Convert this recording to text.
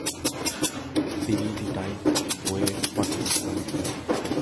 তিনি দ্য টাইমস-এ বইয়ের পর্যালোচনা লিখতেন।